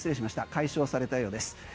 解消されたようです。